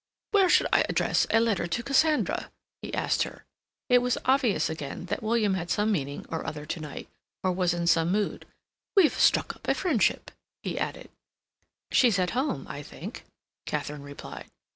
"Where should I address a letter to Cassandra?" he asked her. It was obvious again that William had some meaning or other to night, or was in some mood. "We've struck up a friendship," he added. "She's at home, I think," Katharine replied.